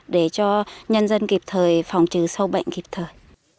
để cho nhân dân kịp thời phòng trừ sâu bệnh kịp thời